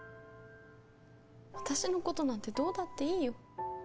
私のことなんてどうだっていいよ